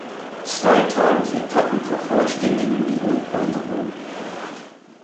Zwei Tagesetappen vervollständigen die Rundwanderung.